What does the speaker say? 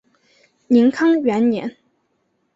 宁康元年。